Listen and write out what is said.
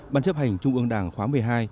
ban chấp hành trung ương đảng khóa một mươi hai